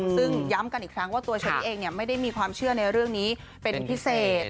ซึ่งย้ำกันอีกครั้งว่าตัวเชอรี่เองไม่ได้มีความเชื่อในเรื่องนี้เป็นพิเศษ